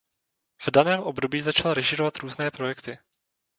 V daném období začal režírovat různé projekty.